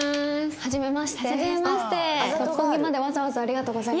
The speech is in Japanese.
はじめまして。